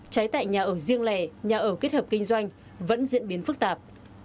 cháy tại nhà ở riêng lẻ nhà ở kết hợp kinh doanh vẫn diễn biến phức tạp